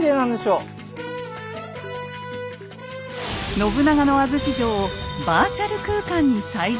信長の安土城をバーチャル空間に再現。